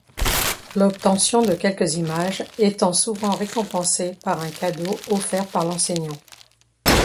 L'obtention de quelques images étant souvent récompensée par un cadeau offert par l'enseignant.